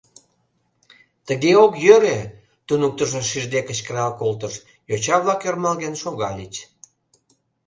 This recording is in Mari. — Тыге ок йӧрӧ! — туныктышо шижде кычкырал колтыш, йоча-влак ӧрмалген шогальыч.